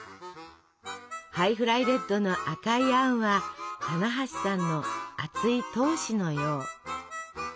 ハイフライレッドの赤いあんは棚橋さんの熱い闘志のよう。